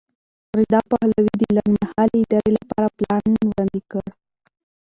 رضا پهلوي د لنډمهالې ادارې لپاره پلان وړاندې کړ.